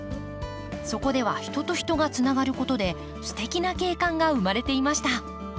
そこでは人と人がつながることですてきな景観が生まれていました。